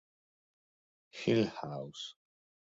Hill House